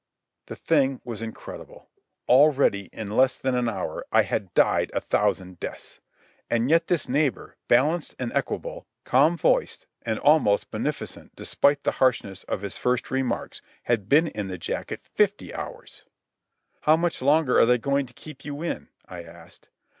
The thing was incredible. Already, in less than an hour, I had died a thousand deaths. And yet this neighbour, balanced and equable, calm voiced and almost beneficent despite the harshness of his first remarks, had been in the jacket fifty hours! "How much longer are they going to keep you in?" I asked.